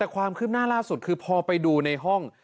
แต่ความคืบหน้าล่าสุดคือพอไปดูในห้อง